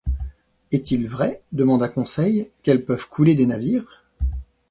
Est-il vrai, demanda Conseil, qu’elles peuvent couler des navires ?